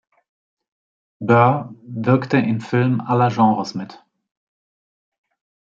Burr wirkte in Filmen aller Genres mit.